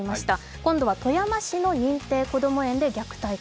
今度は富山市の認定こども園で虐待か。